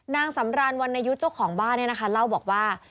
นางสำรานวรรณยุทธ์เจ้าของบ้านเนี่ยนะคะเล่าบอกว่า